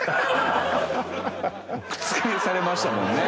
覆されましたもんね